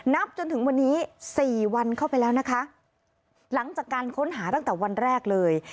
นับจนถึงวันนี้สี่วันเข้าไปแล้วนะคะหลังจากการค้นหาตั้งแต่วันแรกเลย